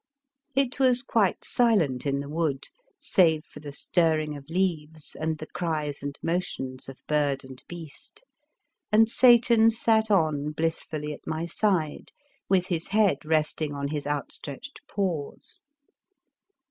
It was quite silent in the wood, save for the stirring of leaves and the cries and motions of 'bird and beast, and Satan sat on blissfully at my side, with his head resting on his outstretched paws.